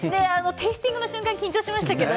テイスティングの瞬間緊張しましたけど。